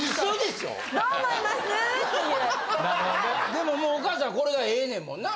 でももうお母さんこれがええねんもんな。